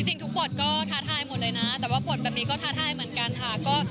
จริงทุกบทก็ท้าทายหมดเลยนะแต่ว่าบทแบบนี้ก็ท้าทายเหมือนกันค่ะ